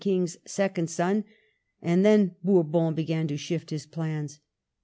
King's second son ; and then Bourbon began to shift his plans.